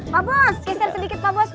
pak bos geser sedikit pak bos